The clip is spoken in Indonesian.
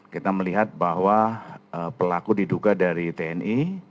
kita melihat bahwa pelaku diduga dari tni